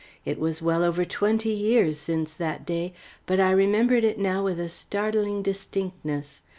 It was well over twenty years since that day, but I remembered it now with a startling distinctness.